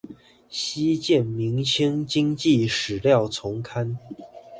稀見明清經濟史料叢刊